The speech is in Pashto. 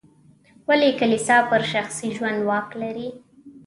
ولې کلیسا پر شخصي ژوند واک لري.